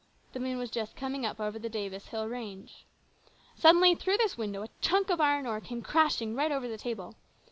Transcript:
The moon was just coming up over the Davis hill range. Suddenly through this window a chunk of iron ore came crashing right over the table.